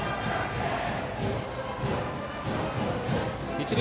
一塁